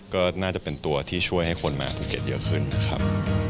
ก็น่าจะเป็นตัวที่ช่วยให้คนมาภูเก็ตเยอะขึ้นนะครับ